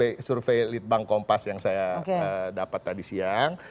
itu ada dengan survei litbang kompas yang saya dapat tadi siang